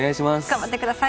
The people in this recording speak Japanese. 頑張ってください。